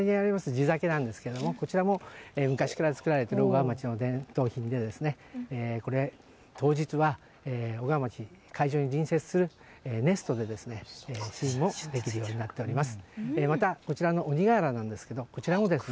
地酒なんですがこちらも昔から造られている小川町の伝統品で当日は会場に隣接する場所で試飲できるようになっています。